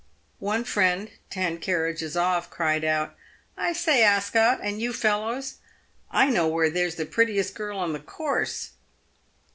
One friend ten carriages off, cried out, " I say, Ascot, and you fellows, I know where there's the prettiest girl on the course!"